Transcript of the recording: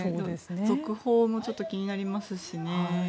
続報もちょっと気になりますしね。